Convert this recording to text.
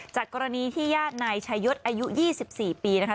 จากกรณีที่ญาตินายชายศอายุ๒๔ปีนะคะ